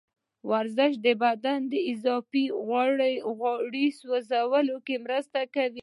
ورزش د بدن د اضافي غوړو سوځولو کې مرسته کوي.